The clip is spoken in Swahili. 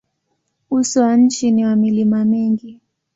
Uso wa nchi ni wa milima mingi.